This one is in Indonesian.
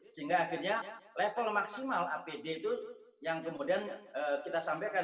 sehingga akhirnya level maksimal apd itu yang kemudian kita sampaikan